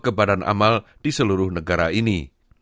ke badan amal di seluruh negara ini